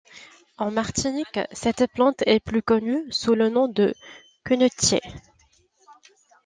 En Martinique, cette plante est plus connue sous le nom de quenettier.